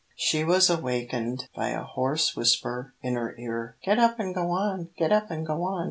She was awakened by a hoarse whisper in her ear: "Get up and go on, get up and go on.